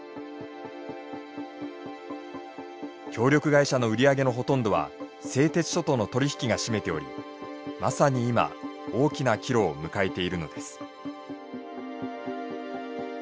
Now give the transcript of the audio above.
協力会社の売り上げのほとんどは製鉄所との取り引きが占めておりまさに今大きな岐路を迎えているのです。